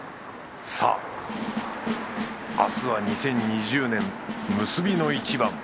さぁ明日は２０２０年結びの一番。